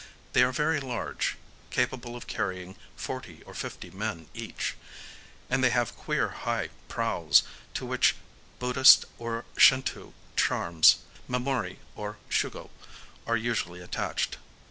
They are very large,—capable of carrying forty or fifty men each;—and they have queer high prows, to which Buddhist or Shintō charms (mamori or shugo) are usually attached.